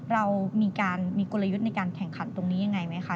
เรามีกุลยุทธ์ในการแข่งขันตรงนี้อย่างไรไหมคะ